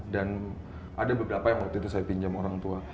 dan ada beberapa yang waktu itu saya pinjam orang tua